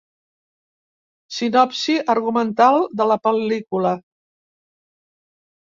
Sinopsi argumental de la pel·lícula.